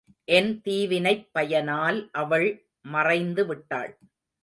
என் தீவினைப் பயனால் அவள் மறைந்துவிட்டாள்.